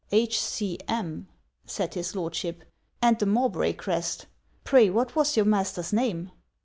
'H. C. M,' said his Lordship, 'and the Mowbray crest! Pray what was your master's name?'